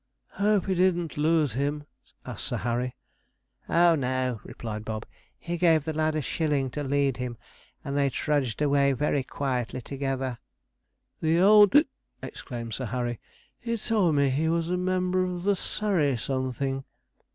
'Hope he didn't lose him?' asked Sir Harry. 'Oh no,' replied Bob; 'he gave a lad a shilling to lead him, and they trudged away very quietly together.' 'The old!' exclaimed Sir Harry; 'he told me he was a member of the Surrey something.'